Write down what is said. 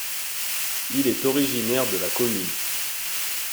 Il est originaire de la commune.